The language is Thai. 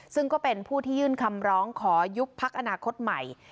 ซึ่งก็เป็นผู้ที่ยื่นคำร้องขอยุบพักอนาคตใหม่